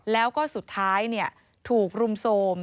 แล้วก็สุดท้ายถูกรุมโทรม